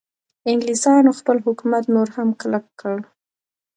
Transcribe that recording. انګلیسانو خپل حکومت نور هم کلک کړ.